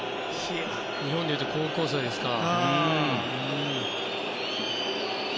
日本でいうと高校生ですか。